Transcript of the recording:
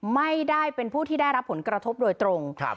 ไม่ได้เป็นผู้ที่ได้รับผลกระทบโดยตรง